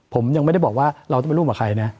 ผมยังไม่ได้บอกว่าเราต้องไปร่วมกับใครนะ